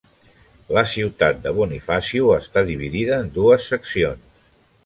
La ciutat de Bonifacio està dividida en dues seccions.